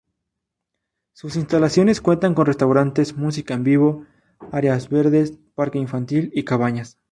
Sus instalaciones cuentan con restaurante, música en vivo, áreas verdes, parque infantil, y cabañas.